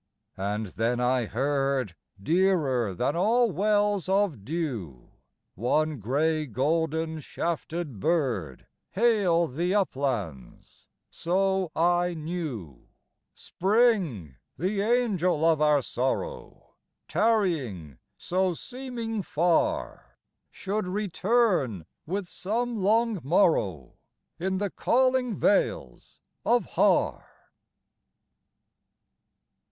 And then I heard, Dearer than all wells of dew, One gray golden shafted bird Hail the uplands; so I knew Spring, the angel of our sorrow, Tarrying so seeming far, Should return with some long morrow In the calling vales of Har.